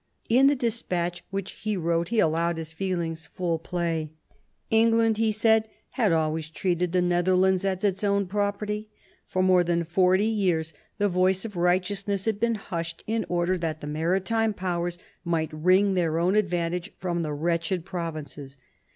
In the despatch which he wrote he allowed his feelings free play. England, he said, had always treated the Netherlands as its own property. For more than forty years the voice of righteousness had been hushed in order that the Maritime Powers might wring their own advantage from the wretched provinces.